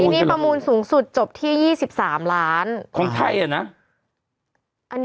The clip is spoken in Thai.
มีประมูลสูงสุดจบที่๒๓ร้าน